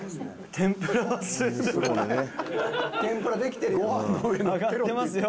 天ぷらできてるよ。